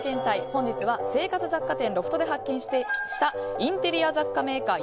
本日は生活雑貨店ロフトで発見したインテリア雑貨メーカー